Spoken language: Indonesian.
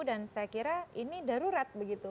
dan saya kira ini darurat begitu